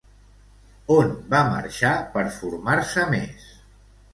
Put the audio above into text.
On va marxar per formar-se més?